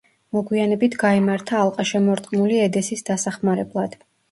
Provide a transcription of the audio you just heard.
მოგვიანებით გაემართა ალყაშემორტყმული ედესის დასახმარებლად.